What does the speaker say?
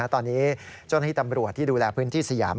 ตอนนี้เจ้าหน้าที่ตำรวจที่ดูแลพื้นที่สยาม